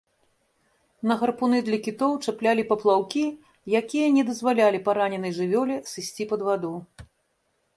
На гарпуны для кітоў чаплялі паплаўкі, якія не дазвалялі параненай жывёле сысці пад ваду.